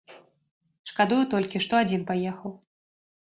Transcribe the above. Шкадую толькі, што адзін паехаў.